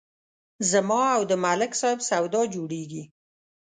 زما او د ملک صاحب سودا جوړېږي